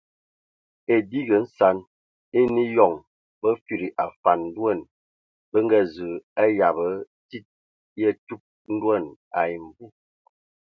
Edigi nsan enə eyɔŋ ba fudi afan ndoan bə nga zu yab e tsid ya tub ndoan ai mvu.